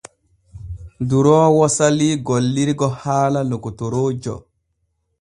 Duroowo salii gillirgo haala lokotoroojo.